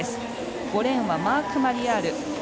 ５レーンはマーク・マリヤール。